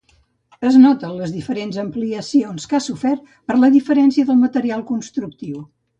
Es noten les diferents ampliacions que ha sofert per la diferència de material constructiu.